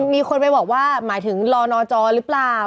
มีคนไปบอกว่าหมายถึงรอนอจอหรือเปล่า